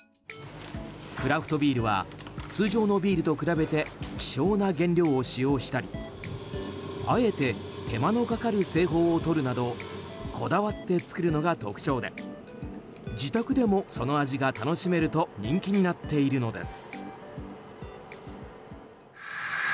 クラフトビールは通常のビールと比べて希少な原料を使用したりあえて手間のかかる製法をとるなどこだわって作るのが特徴で自宅でもその味が楽しめると人気になっているのです。